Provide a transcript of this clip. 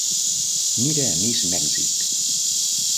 Mira a Miss Mèxic.